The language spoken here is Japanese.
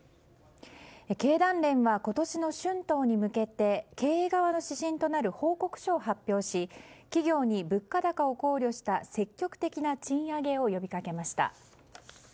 経団連は今年の春闘に向けて経営側の指針となる報告書を発表し企業に物価高を考慮した積極的賃上げを要求しました。